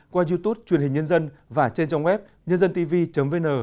qua youtube truyền hình nhân dân và trên trong web nhândantv vn